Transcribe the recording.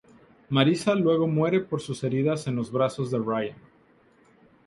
Marissa luego muere por sus heridas en los brazos de Ryan.